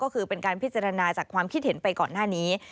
ก็คือเป็นการพิจารณาจากความคิดเห็นไปก่อนหน้านี้